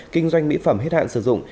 kinh doanh mỹ phẩm hết hạn sử dụng